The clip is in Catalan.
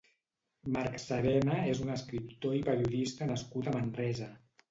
Marc Serena és un escriptor i periodista nascut a Manresa.